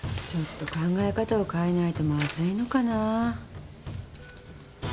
ちょっと考え方を変えないとまずいのかなぁ。